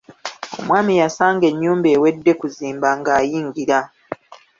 Omwami yasanga ennyumba ewedde kuzimba ng'ayingira.